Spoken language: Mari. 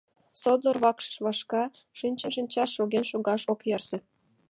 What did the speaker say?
Содор вакшыш вашка, шинчын шинчаш, шоген шогаш ок ярсе...